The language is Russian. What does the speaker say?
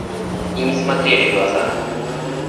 И не смотрели глаза.